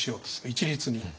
一律に。